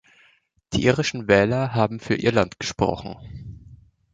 Die irischen Wähler haben für Irland gesprochen.